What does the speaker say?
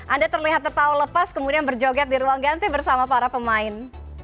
anda terlihat tertawa lepas kemudian berjoget di ruang ganti bersama para pemain